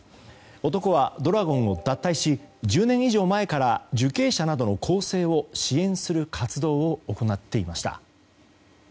男は、怒羅権を脱退し１０年以上前から受刑者などの更生を支援する活動を行っていました。